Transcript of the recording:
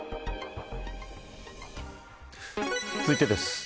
続いてです。